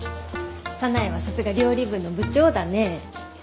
早苗はさすが料理部の部長だね。